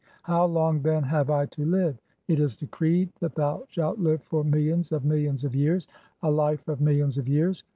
How long then have I to live ? It is "decreed that thou shalt live for millions of millions of years, "a life of millions of years.